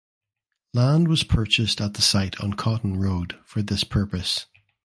Land was purchased at the site on Coton Road for this purpose.